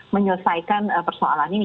menyelesaikan persoalan ini